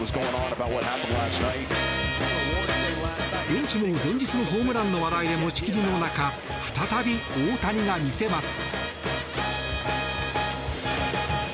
現地も前日のホームランの話題で持ち切りの中再び大谷が見せます。